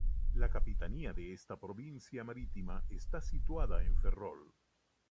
La capitanía de esta provincia marítima está situada en Ferrol.